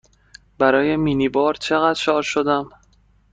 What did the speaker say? برای مینی بار چقدر شارژ شدم؟